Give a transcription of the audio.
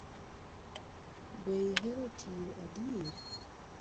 Be ihero tiyo adier?